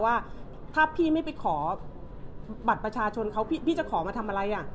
ว่าถ้าพี่ไม่ไปขอบัตรประชาชนเขาพี่จะขอมาทำอะไร